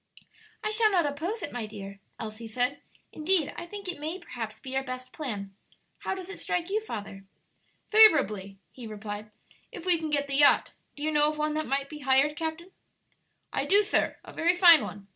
"I shall not oppose it, my dear," Elsie said; "indeed, I think it may perhaps be our best plan. How does it strike you, father?" "Favorably," he replied, "if we can get the yacht. Do you know of one that might be hired, captain?" "I do, sir; a very fine one.